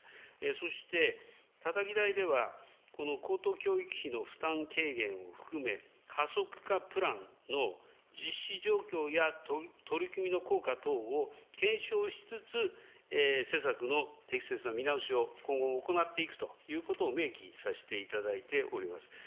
そして、たたき台では、この高等教育費の負担軽減を含め、加速化プランの実施状況や取り組みの効果等を検証しつつ、施策の適切な見直しを今後も行っていくということを明記させていただいております。